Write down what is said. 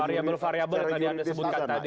variable variable yang tadi anda sebutkan tadi